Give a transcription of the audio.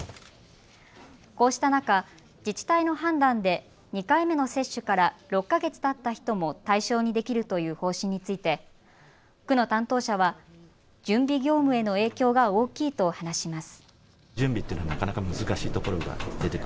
こうした中、自治体の判断で２回目の接種から６か月たった人も対象にできるという方針について区の担当者は準備業務への影響が大きいと話します。